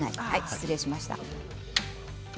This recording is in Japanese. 失礼しました。